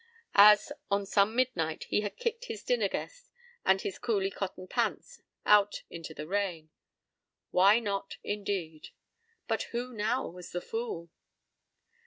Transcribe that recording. as, on some midnight, he had kicked his dinner guest and his "coolie cotton pants" out into the rain.—Why not, indeed? But who now was the "fool?"